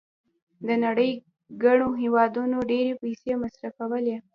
د نړۍ ګڼو هېوادونو ډېرې پیسې مصرفولې.